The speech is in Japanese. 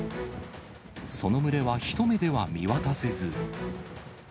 その群れは一目では見渡せず。